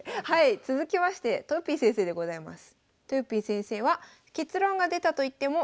続きましてとよぴー先生でございます。